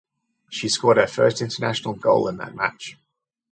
She scored her first international goal in that match.